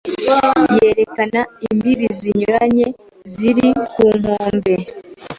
yerekana imbibi zinyuranye ziri ku nkombe